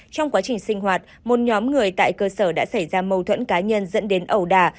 trong quá trình sinh hoạt một nhóm người tại cơ sở đã xảy ra mâu thuẫn cá nhân dẫn đến ẩu đà